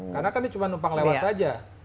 karena kan ini cuma nempang lewat saja